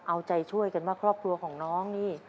เอาใจช่วยกันว่าครอบครัวของน้องนี่